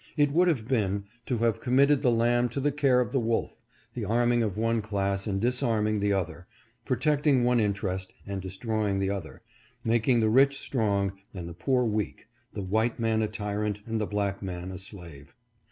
It would have been, to have committed the lamb to the care of the wolf — the arming of one class and disarming the other — protecting one interest, and destroying the other, making the rich strong, and the poor weak — the white man a tyrant, and the black man a slave.